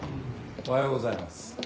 おはようございます。